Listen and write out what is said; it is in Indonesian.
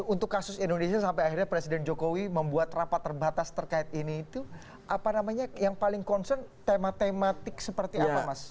untuk kasus indonesia sampai akhirnya presiden jokowi membuat rapat terbatas terkait ini itu apa namanya yang paling concern tema tematik seperti apa mas